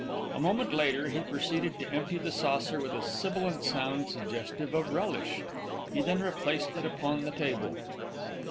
A moment later he proceeded to empty the saucer with a sibilant sound suggestive of relish. He then replaced it upon the table.